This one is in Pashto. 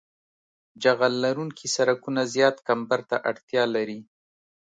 جغل لرونکي سرکونه زیات کمبر ته اړتیا لري